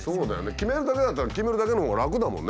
決めるだけだったら決めるだけのほうが楽だもんね。